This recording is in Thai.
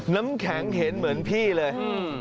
น้ำแข็งเห็นเหมือนพี่เลย